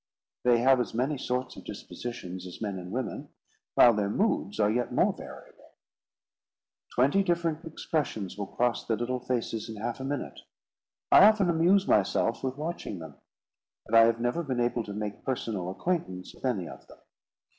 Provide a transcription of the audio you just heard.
They have as many sorts of dispositions as men and women, while their moods are yet more variable; twenty different expressions will cross their little faces in half a minute. I often amuse myself with watching them, but I have never been able to make personal acquaintance with any of them.